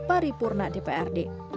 mari purna dprd